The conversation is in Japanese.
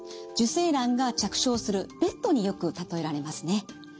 受精卵が着床するベッドによく例えられますね。